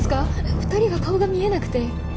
２人は顔が見えなくて。